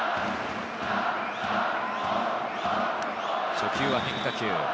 初球は変化球。